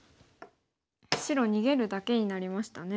白逃げるだけになりましたね。